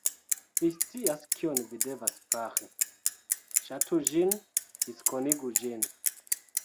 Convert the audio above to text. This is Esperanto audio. Vi scias kion vi devas fari. Ŝatu ĝin, diskonigu ĝin